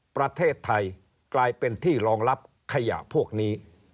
ประเทศไทยกลายเป็นที่รองรับขยะพวกนี้